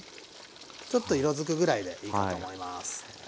ちょっと色づくぐらいでいいかと思います。